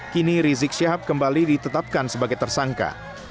kini rizik syahab kembali ditetapkan sebagai tersangka